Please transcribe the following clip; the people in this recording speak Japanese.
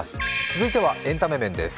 続いてはエンタメ面です。